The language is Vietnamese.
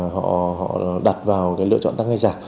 họ đặt vào cái lựa chọn tăng hay giả